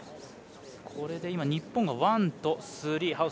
これで日本がワンとスリー。